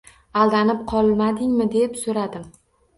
Aldanib qolmadingmi deb so‘radim.